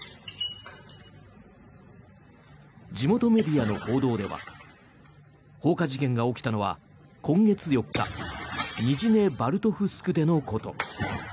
地元メディアの報道では放火事件が起きたのは今月４日ニジネバルトフスクでのこと。